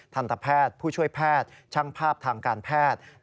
ทันตแพทย์ผู้ช่วยแพทย์ช่างภาพทางการแพทย์